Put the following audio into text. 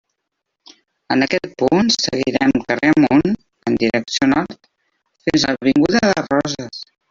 En aquest punt, seguirem carrer amunt, en direcció nord, fins a l'avinguda de Roses.